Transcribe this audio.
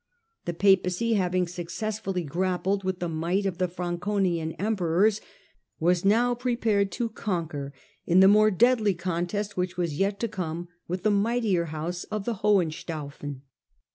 The Papacy, having successfully grappled with the might of the Franconian emperors, was now prepared to conquer in the more deadly contest which was yet to come with the mightier house of the Hohenstaufen.